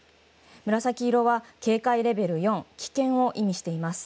紫色は警戒レベル４、危険を意味しています。